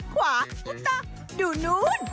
ขวาตะดูนู้น